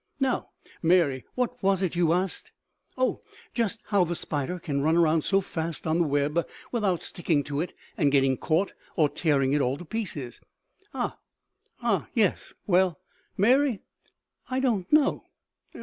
"Now, Mary, what was it you asked?" "Oh, just how the spider can run around so fast on the web without sticking to it and getting caught or tearing it all to pieces." "Ah, ah, yes. Well, Mary, I don't know!